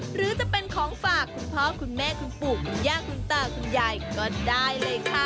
หรือจะเป็นของฝากคุณพ่อคุณแม่คุณปู่คุณย่าคุณตาคุณยายก็ได้เลยค่ะ